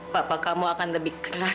papa kamu akan lebih keras